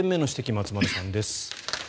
松丸さんです。